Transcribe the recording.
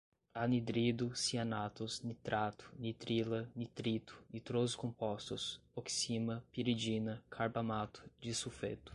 anidrido, cianatos, nitrato, nitrila, nitrito, nitroso compostos, oxima, piridina, carbamato, disulfeto